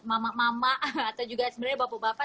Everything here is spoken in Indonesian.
mama mama atau juga sebenarnya bapak bapak